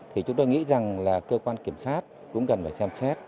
thì chúng tôi nghĩ rằng là cơ quan kiểm soát cũng cần phải xem xét